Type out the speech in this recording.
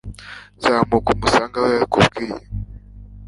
zamuka umusange aho yakubwiye